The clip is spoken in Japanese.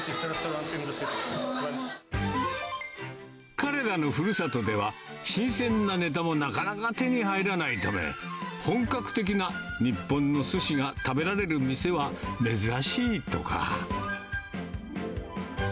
彼らのふるさとでは、新鮮なネタもなかなか手に入らないため、本格的な日本のすしが食べられる店は珍しいとか。